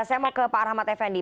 saya mau ke pak rahmat effendi